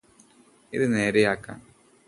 ഇത് നേരെയാക്കാന്